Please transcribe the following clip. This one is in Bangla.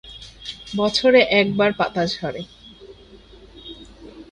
বছরে একবার পাতা ঝরে।